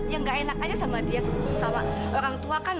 ya nggak enak aja sama dia sesama orang tua kan